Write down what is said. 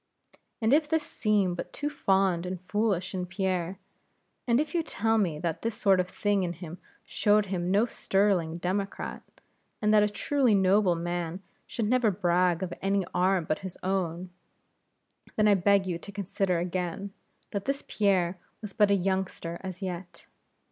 And if this seem but too fond and foolish in Pierre; and if you tell me that this sort of thing in him showed him no sterling Democrat, and that a truly noble man should never brag of any arm but his own; then I beg you to consider again that this Pierre was but a youngster as yet.